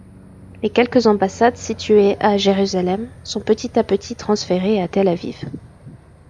Les quelques ambassades situées à Jérusalem sont petit à petit transférées à Tel Aviv.